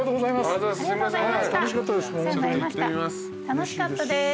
楽しかったです。